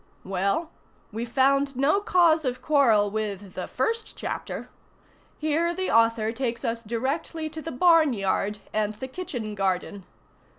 Well, we found no cause of quarrel with the first chapter. Here the author takes us directly to the barn yard and the kitchen garden.